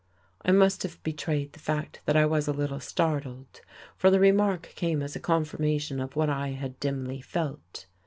I must have betrayed the fact that I was a little startled, for the remark came as a confirmation of what I had dimly felt.